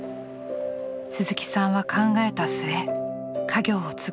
鈴木さんは考えた末家業を継ぐことにしたのです。